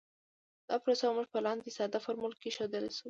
دا پروسه موږ په لاندې ساده فورمول کې ښودلی شو